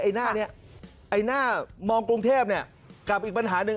หน้านี้ไอ้หน้ามองกรุงเทพเนี่ยกับอีกปัญหาหนึ่ง